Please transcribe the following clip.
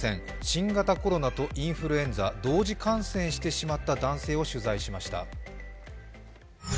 新型コロナとインフルエンザ、同時感染してしまった男性を取材しました。